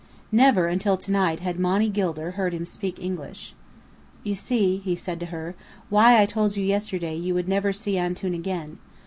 Never until to night had Monny Gilder heard him speak English. "You see," he said to her, "why I told you yesterday you would never see Antoun again.